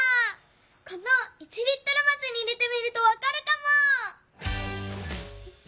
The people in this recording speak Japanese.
この１リットルますに入れてみるとわかるかも。